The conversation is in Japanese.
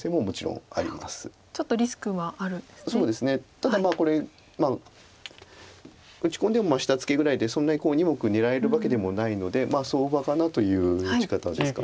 ただこれ打ち込んでも下ツケぐらいでそんなに２目狙えるわけでもないのでまあ相場かなという打ち方ですか。